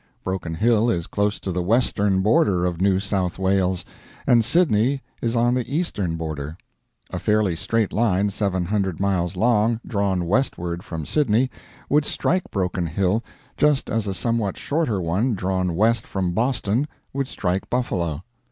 Broken Hill is close to the western border of New South Wales, and Sydney is on the eastern border. A fairly straight line, 700 miles long, drawn westward from Sydney, would strike Broken Hill, just as a somewhat shorter one drawn west from Boston would strike Buffalo.